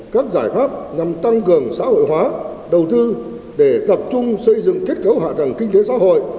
các giải pháp nhằm tăng cường xã hội hóa đầu tư để tập trung xây dựng kết cấu hạ tầng kinh tế xã hội